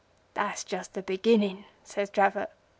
'That's just the beginning,' says Dravot.